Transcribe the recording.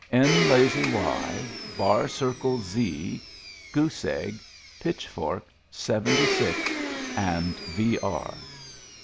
N lazy Y, Bar Circle Zee, Goose Egg, Pitch Fork, Seventy Six, and V R."